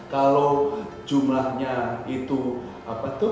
kalau jumlahnya itu tidak berubah